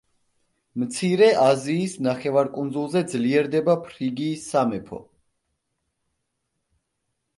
მცირე აზიის ნახევარკუნძულზე ძლიერდება ფრიგიის სამეფო.